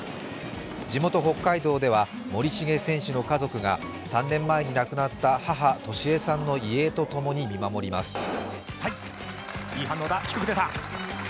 地元・北海道では森重選手の家族が３年前に亡くなった母・俊恵さんの遺影とともに見守ります。